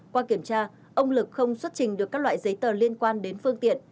qua kiểm tra ông lực không xuất trình được các loại giấy tờ liên quan đến phương tiện